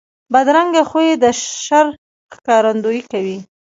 بدرنګه خوی د شر ښکارندویي کوي